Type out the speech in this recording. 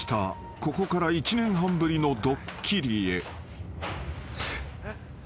ここから１年半ぶりのドッキリへ］